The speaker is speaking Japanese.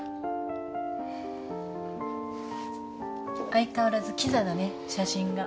相変わらずきざだね写真が。